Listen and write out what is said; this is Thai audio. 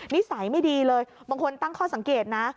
นิสัยไม่ดีเลยบางคนตั้งข้อสังเกตนะ